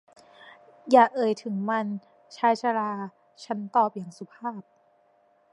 อย่าเอ่ยถึงมัน ชายชรา ฉันตอบอย่างสุภาพ